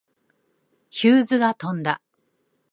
ヒューズが飛んだ。